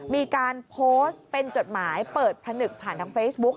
มีการโพสต์เป็นจดหมายเปิดผนึกผ่านทางเฟซบุ๊ก